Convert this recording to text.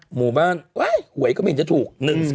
หมู่บ้านหวยก็ไม่เห็นจะถูก๑๓